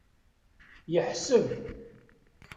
Yeḥseb.